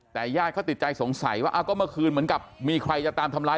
แต่ญาติเขาติดใจสงสัยว่าก็เมื่อคืนเหมือนกับมีใครจะตามทำร้าย